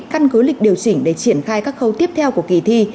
căn cứ lịch điều chỉnh để triển khai các khâu tiếp theo của kỳ thi